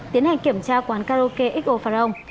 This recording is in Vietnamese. tiến hành kiểm tra quán karaoke xo phà rồng